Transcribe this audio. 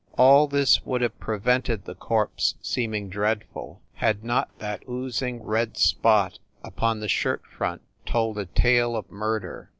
All this would have pre vented the corpse seeming dreadful, had not that oozing red spot upon the shirt front told a tale of murder.